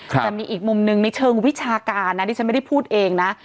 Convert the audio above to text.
แต่มีอีกมุมหนึ่งในเชิงวิชาการนะดิฉันไม่ได้พูดเองนะ